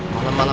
gua mau kemana